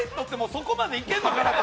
そこまでいけんのかなと。